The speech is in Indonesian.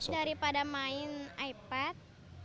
daripada main ipad